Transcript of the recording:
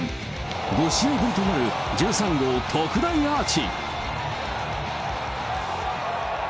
５試合ぶりとなる１３号特大アーチ。